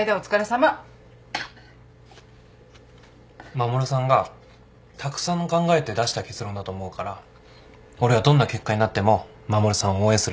衛さんがたくさん考えて出した結論だと思うから俺はどんな結果になっても衛さんを応援する。